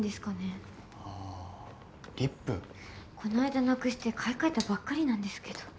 こないだ失くして買い替えたばっかりなんですけど。